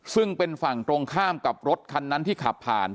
ซึ่งเป็นฝั่งตรงข้ามกับรถคันนั้นที่ขับผ่าน